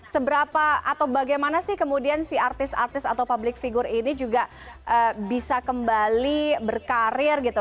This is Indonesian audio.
seberapa atau bagaimana sih kemudian si artis artis atau public figure ini juga bisa kembali berkarir gitu